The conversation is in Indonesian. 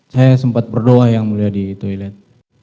saya sempat berdoa yang mulia di toilet